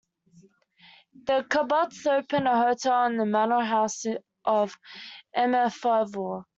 The kibbutz opened a hotel in the manor house of Emir Faour.